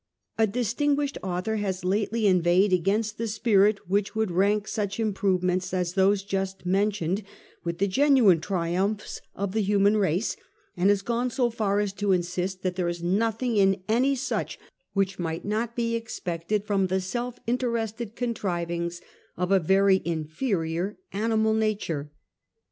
A distinguished author has lately inveighed against the spirit which would rank such improvements as those just mentioned with the genuine triumphs of the human race, and has gone so far as to insist that there is nothing in any such which might not be expected from the self interested contrivings of a very inferior animal nature.